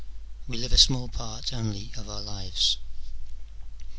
" We live a small part only of our lives."